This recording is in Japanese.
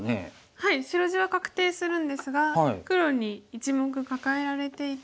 はい白地は確定するんですが黒に１目カカえられていて。